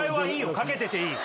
かけてていい！